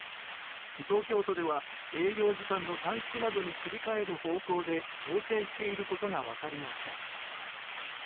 東京都では営業時間の短縮などに切り替える方向で調整していることが分かりました。